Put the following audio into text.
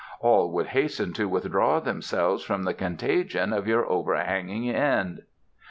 All would hasten to withdraw themselves from the contagion of your overhanging end."